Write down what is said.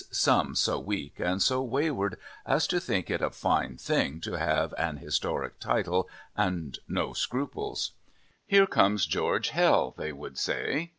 some so weak and so wayward as to think it a fine thing to have an historic title and no scruples. "Here comes George Hell," they would say.